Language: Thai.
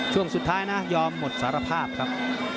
ช่วงสุดท้ายนะยอมหมดสารภาพครับ